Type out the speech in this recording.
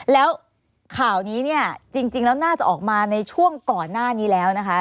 แล้วข่าวนี้เนี่ยจริงแล้วน่าจะออกมาในช่วงก่อนหน้านี้แล้วนะคะ